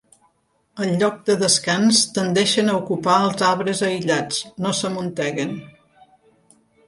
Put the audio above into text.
Al lloc de descans, tendeixen a ocupar els arbres aïllats, no s'amunteguen.